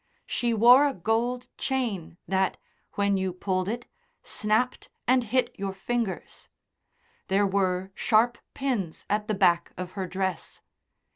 She wore a gold chain that when you pulled it snapped and hit your fingers. There were sharp pins at the back of her dress.